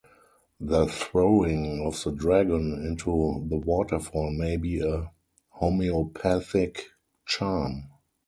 The throwing of the dragon into the waterfall may be a homeopathic charm.